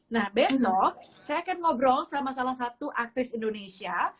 nah besok saya akan ngobrol sama salah satu aktris indonesia